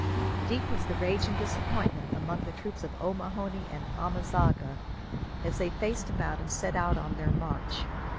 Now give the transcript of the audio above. Deep was the rage and disappointment among the troops of O'Mahony and Amezaga, as they faced about and set out on their march.